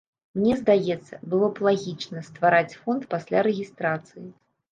Мне здаецца, было б лагічна ствараць фонд пасля рэгістрацыі.